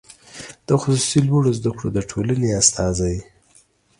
د خصوصي لوړو زده کړو د ټولنې استازی